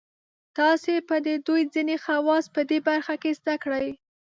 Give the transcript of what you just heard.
تاسې به د دوی ځینې خواص په دې برخه کې زده کړئ.